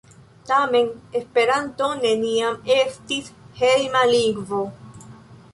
Tamen Esperanto neniam estis hejma lingvo.